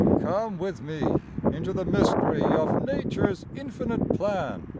Come with me into the mystery of Nature's infinite plan.